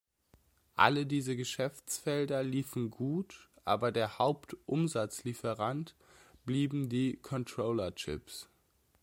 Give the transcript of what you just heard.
Alle diese Geschäftsfelder liefen gut, aber der Haupt-Umsatzlieferant blieben die Controller-Chips.